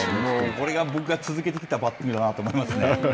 これが僕が続けてきたバッティングだと思いますね。